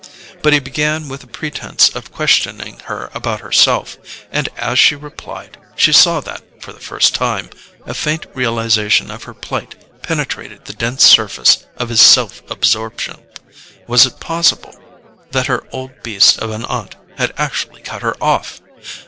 But he began with a pretence of questioning her about herself, and as she replied, she saw that, for the first time, a faint realization of her plight penetrated the dense surface of his self absorption. Was it possible that her old beast of an aunt had actually cut her off?